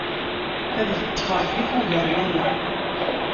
Ad iṭṭef Ṛebbi i yugaren aya!